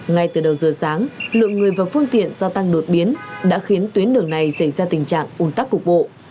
ngay từ đầu giờ sáng lượng người và phương tiện gia tăng đột biến đã khiến tuyến đường này xảy ra tình trạng ủn tắc cục bộ